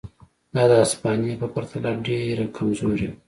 دا د هسپانیې په پرتله ډېره کمزورې وه.